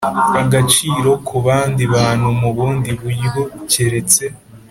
agaciro ku bandi bantu mu bundi buryo keretse